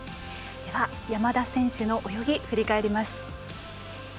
山田選手の泳ぎを振り返ります。